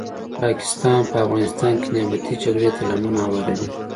پاکستان په افغانستان کې نیابتې جګړي ته لمن هواروي